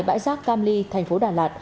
bãi giác cam ly thành phố đà lạt